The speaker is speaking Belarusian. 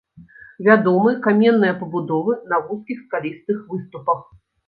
Вядомы каменныя пабудовы на вузкіх скалістых выступах.